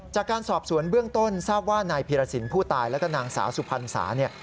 จากการสอบสวนเบื้องต้นทราบว่านายพีรสินผู้ตายแล้วก็นางสาวสุพรรณสาเนี่ย